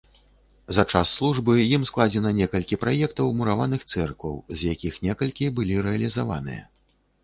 За час службы ім складзена некалькі праектаў мураваных цэркваў, з якіх некалькі былі рэалізаваныя.